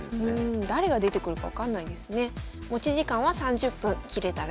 誰が出てくるか分かんないですね。